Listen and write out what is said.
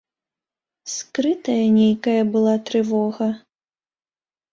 Скрытая нейкая была трывога.